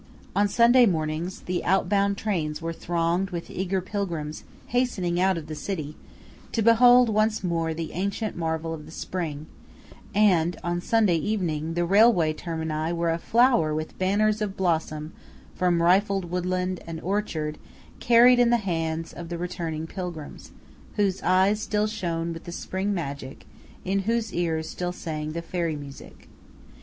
On Sunday mornings, the outbound trains were thronged with eager pilgrims, hastening out of the city, to behold once more the ancient marvel of the spring; and, on Sunday evenings, the railway termini were aflower with banners of blossom from rifled woodland and orchard carried in the hands of the returning pilgrims, whose eyes still shone with the spring magic, in whose ears still sang the fairy music.